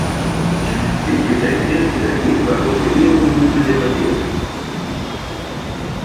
Ik begrijp eerlijk gezegd niet waarom we hierover moeten debatteren.